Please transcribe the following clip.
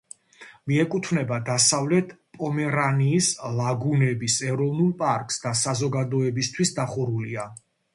მიეკუთვნება დასავლეთ პომერანიის ლაგუნების ეროვნულ პარკს და საზოგადოებისთვის დახურულია.